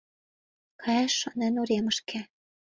Каяш шонен уремышке